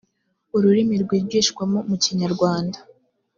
ururimi rwigishwamo mu kinyarwanda